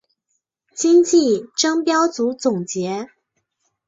今季争标组总结。